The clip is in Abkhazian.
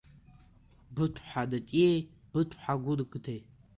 Быҭә-ԥҳа Натиеи Быҭә-ԥҳа Гәындеи.